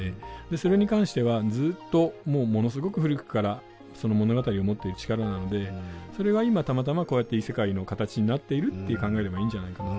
それに関してはずっとものすごく古くから物語が持っている力なのでそれが今たまたまこうやって異世界の形になっているって考えればいいんじゃないかな。